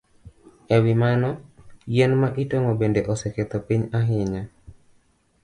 E wi mano, yien ma itong'o bende oseketho piny ahinya.